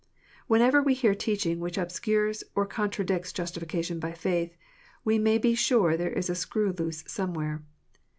Whenever we hear teaching which obscures or contradicts justification by faith, we may be sure there is a screw loose somewhere.